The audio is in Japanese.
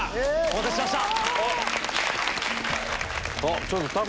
お待たせしました！